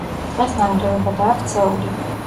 დღეს ნანგრევებადაა ქცეული.